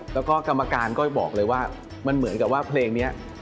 แล้วก็กรรมการก็บอกเลยว่ามันเหมือนกับว่าเพลงนี้